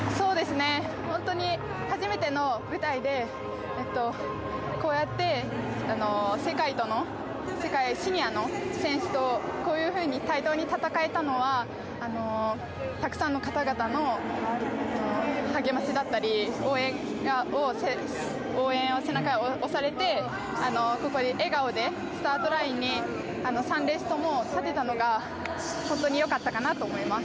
本当に初めての舞台で世界シニアの選手とこういうふうに対等に戦えたのはたくさんの方々の励ましだったり応援に背中押されてここに笑顔でスタートラインに３レースとも立てたのが本当に良かったかなと思います。